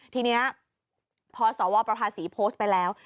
ทีนี้พอสวประภาษีโพสต์ไปแล้ว